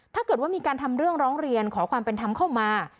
ถ้าเกิดว่ามีการทำเรื่องร้องเรียนขอความเป็นธรรมเข้ามา